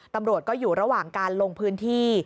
ตำรวจก็อยู่ระหว่างการลงพื้นที่